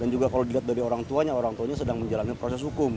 dan juga kalau dilihat dari orang tuanya orang tuanya sedang menjalani proses hukum